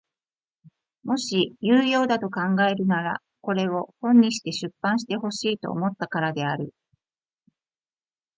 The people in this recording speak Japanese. もし有用だと考えるならこれを本にして出版してほしいと思ったからである。